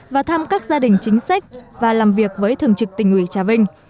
và thăm các gia đình chính sách và làm việc với thường trực tỉnh ủy trà vinh